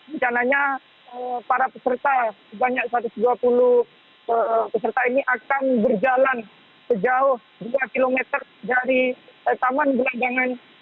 rencananya para peserta sebanyak satu ratus dua puluh peserta ini akan berjalan sejauh dua km dari taman gelandangan